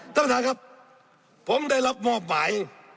ท่านประธานครับผมได้รับมอบหมาย